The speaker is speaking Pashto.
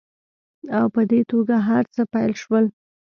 او په دې توګه هرڅه پیل شول